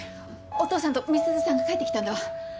お義父さんと美鈴さんが帰ってきたんだわ！